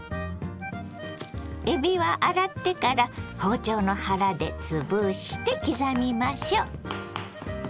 えびは洗ってから包丁の腹で潰して刻みましょ。